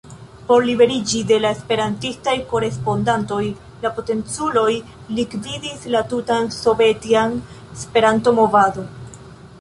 Por liberiĝi de la esperantistaj korespondantoj, la potenculoj likvidis la tutan Sovetian Esperanto-movadon.